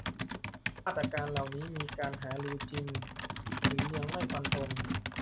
มาตรการเหล่านี้มีการหารือจริง แต่ยังไม่ฟันธง